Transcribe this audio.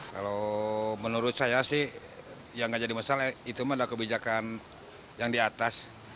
kalau menurut saya sih yang gak jadi masalah itu adalah kebijakan yang di atas